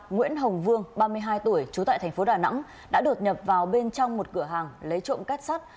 nguyễn hồng vương ba mươi hai tuổi trú tại thành phố đà nẵng đã đột nhập vào bên trong một cửa hàng lấy trộm kết sắt